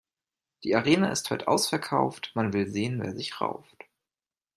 Die Arena ist heut' ausverkauft, man will sehen, wer sich rauft.